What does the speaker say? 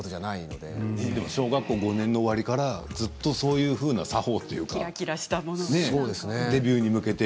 でも小学校５年の終わりからずっとそういう作法というかデビューに向けて。